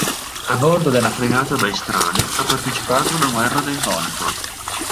A bordo della fregata "Maestrale" ha partecipato alla Guerra del Golfo.